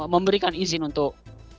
memberikan izin untuk